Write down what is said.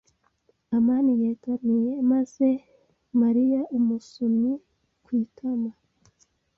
amani yegamiye maze aha Mariya umusomyi ku itama.